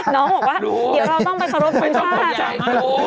น้องบอกว่าเดี๋ยวเราต้องไปขอบคุณภาพ